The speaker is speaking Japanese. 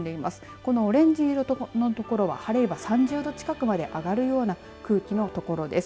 このオレンジ色の所は晴れれば３０度近くまで上がるような空気の所です。